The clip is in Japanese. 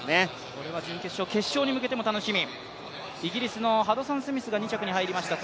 これは準決勝決勝に向けても楽しみ。